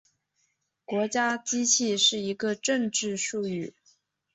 国家机器是一个政治术语。